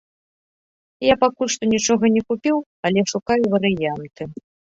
Я пакуль што нічога не купіў, але шукаю варыянты.